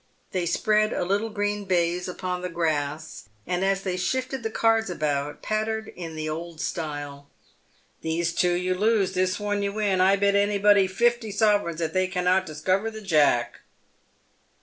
They spread a little green baize upon the grass, and as they shifted the cards about pattered in the old style —" These two you lose ; this one you win. I bet anybody fifty sove reigns that they cannot discover the jack."